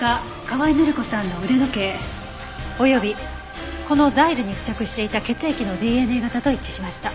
河合範子さんの腕時計及びこのザイルに付着していた血液のＤＮＡ型と一致しました。